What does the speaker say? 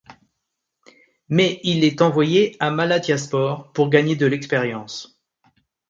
Mais il est envoyé à Malatyaspor pour gagner de l'expérience.